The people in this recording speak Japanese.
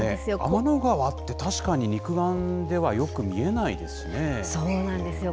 天の川って、確かに肉眼ではそうなんですよ。